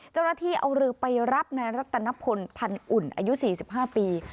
เจ้าหน้าที่เอาเรือไปรับนายรัตนพลพันธ์อุ่นอายุ๔๕ปี